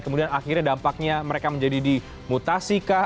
kemudian akhirnya dampaknya mereka menjadi dimutasi kah